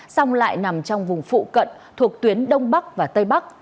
song lại nằm trong vùng phụ cận thuộc tuyến đông bắc và tây bắc